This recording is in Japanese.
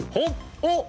おっ！